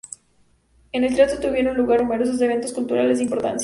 En el teatro tuvieron lugar numerosos eventos culturales de importancia.